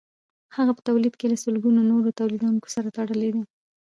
هغه په تولید کې له سلګونو نورو تولیدونکو سره تړلی دی